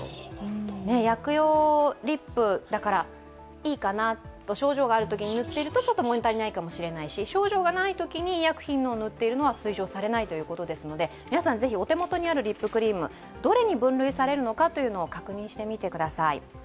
薬用リップだからいいかなって症状があるときに塗っていると物足りないかもしれないし、症状がないときに医薬品のを塗っているのは推奨されないということですので、皆さんぜひ、お手元にあるリップクリーム、どれに分類されるのか確認してみてください。